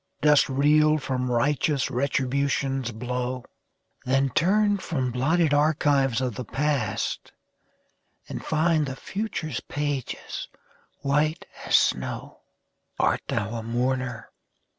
Dost reel from righteous Retribution's blow? Then turn from blotted archives of the past, And find the future's pages white as snow. Art thou a mourner?